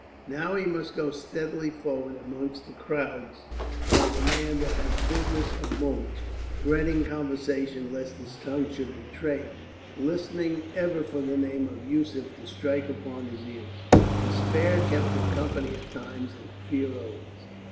Now he must go steadily forward amongst the crowds like a man that has business of moment, dreading conversation lest his tongue should betray him, listening ever for the name of Yusef to strike upon his ears. Despair kept him company at times, and fear always.